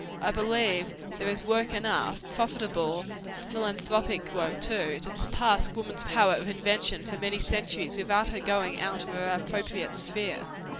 I believe there is work enough profitable and philanthropic work, too to task woman's powers of invention for many centuries, without her going out of her appropriate sphere.